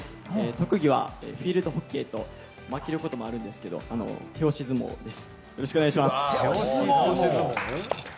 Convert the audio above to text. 時にはフィールドホッケーと負けることもあるんですけど、手押し相撲です。